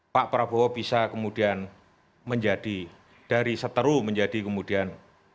pak prabowo bisa kemudian menjadi dari seteru menjadi kemudian